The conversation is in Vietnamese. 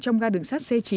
trong ga đường sát c chín